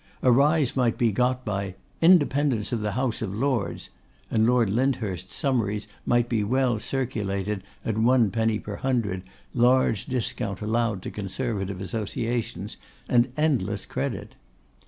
A rise might be got by 'Independence of the House of Lords;' and Lord Lyndhurst's summaries might be well circulated at one penny per hundred, large discount allowed to Conservative Associations, and endless credit.